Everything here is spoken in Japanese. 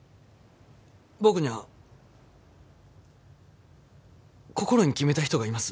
僕には心に決めた人がいます。